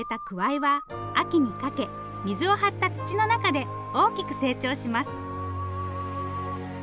くわいは秋にかけ水を張った土の中で大きく成長します。